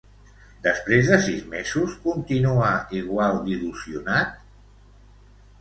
Després de sis mesos continua igual d'il·lusionat?